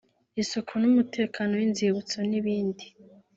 isuku n’umutekano w’inzibutso n’ibindi